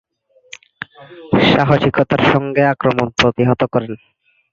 সাহসিকতার সঙ্গে আক্রমণ প্রতিহত করেন।